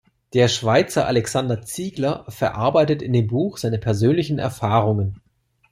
Der Schweizer Alexander Ziegler verarbeitet in dem Buch seine persönlichen Erfahrungen.